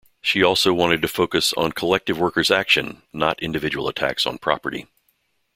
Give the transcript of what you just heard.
She also wanted to focus on collective workers' action, not individual attacks on property.